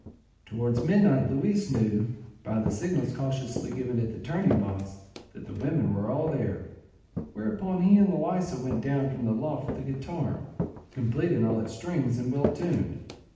Towards midnight Luis knew, by the signals cautiously given at the turning box, that the women were all there; whereupon he and Loaysa went down from the loft with the guitar, complete in all its strings and well tuned.